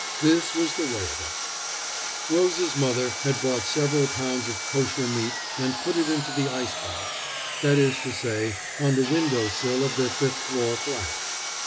This was the way of it: Rose's mother had bought several pounds of kosher meat and put it into the ice box that is to say, on the window sill of their fifth floor flat.